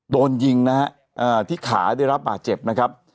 โดนยิงที่ขาได้รับบาดเจ็บ